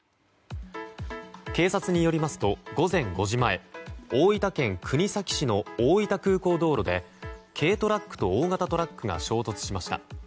警察によりますと午前５時前大分県国東市の大分空港道路で軽トラックと大型トラックが衝突しました。